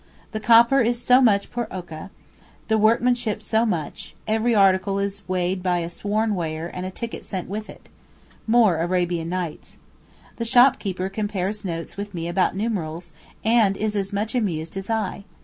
The copper is so much per oka, the workmanship so much; every article is weighed by a sworn weigher and a ticket sent with it. More Arabian Nights. The shopkeeper compares notes with me about numerals, and is as much amused as I.